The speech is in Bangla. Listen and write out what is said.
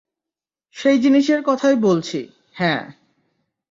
সেই জিনিসের কথাই বলছি, হ্যাঁ।